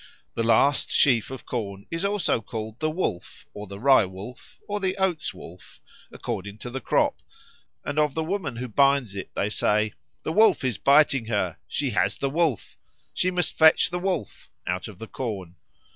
The last sheaf of corn is also called the Wolf or the Rye wolf or the Oats wolf according to the crop, and of the woman who binds it they say, "The Wolf is biting her," "She has the Wolf," "She must fetch the Wolf" (out of the corn).